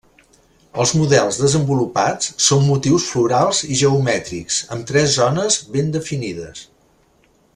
Els models desenvolupats són motius florals i geomètrics, amb tres zones ben definides.